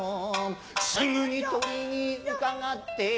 すぐに取りに伺って